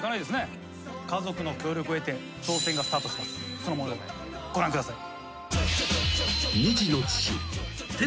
その模様ご覧ください。